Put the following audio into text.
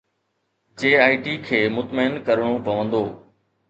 جي I T کي مطمئن ڪرڻو پوندو.